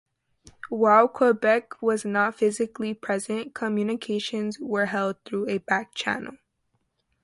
While Quebec was not physically present, communications were held through a back channel.